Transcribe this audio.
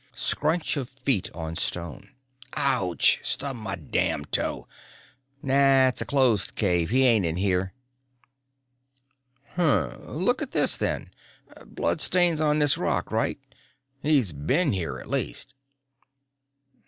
Scrunch of feet on stone. "Ouch! Stubbed my damn toe. Nah, it's a closed cave. He ain't in here." "Hm? Look at this, then. Bloodstains on this rock, right? He's been here, at least."